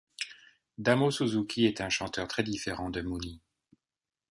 Damo Suzuki est un chanteur très différent de Mooney.